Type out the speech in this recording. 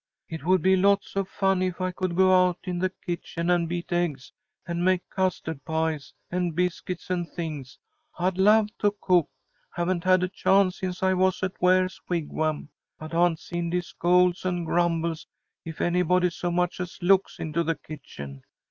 "It would be lots of fun if I could go out in the kitchen and beat eggs, and make custah'd pies and biscuits and things. I'd love to cook. I haven't had a chance since I was at Ware's Wigwam. But Aunt Cindy scolds and grumbles if anybody so much as looks into the kitchen.